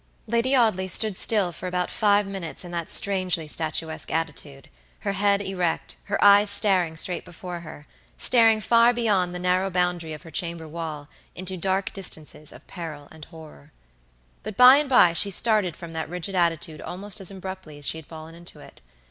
Lady Audley stood still for about five minutes in that strangely statuesque attitude, her head erect, her eyes staring straight before herstaring far beyond the narrow boundary of her chamber wall, into dark distances of peril and horror. But by and by she started from that rigid attitude almost as abruptly as she had fallen into it.